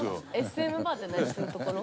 ＳＭバーって何するところ？